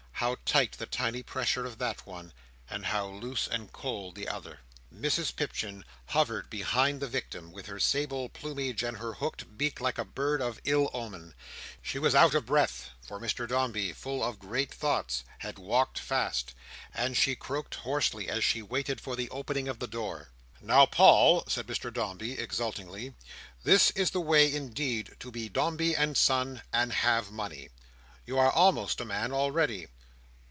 How tight the tiny pressure of that one; and how loose and cold the other! Mrs Pipchin hovered behind the victim, with her sable plumage and her hooked beak, like a bird of ill omen. She was out of breath—for Mr Dombey, full of great thoughts, had walked fast—and she croaked hoarsely as she waited for the opening of the door. "Now, Paul," said Mr Dombey, exultingly. "This is the way indeed to be Dombey and Son, and have money. You are almost a man already."